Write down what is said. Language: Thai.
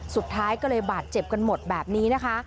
สุดท้ายก็เลยบาดเจ็บกันหมดแบบนี้นะคะ